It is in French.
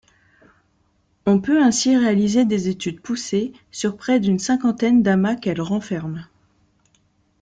On peut ainsi réaliser des études poussées sur près d'une cinquantaine d'amas qu'elle renferme.